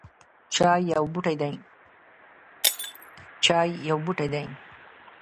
چای یو بوټی دی